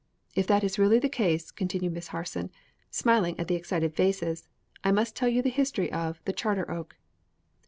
"If that is really the case," continued Miss Harson, smiling at the excited faces, "I must tell you the history of "THE CHARTER OAK.